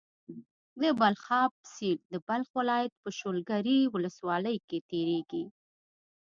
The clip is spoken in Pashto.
د بلخاب سيند د بلخ ولايت په شولګرې ولسوالۍ کې تيريږي.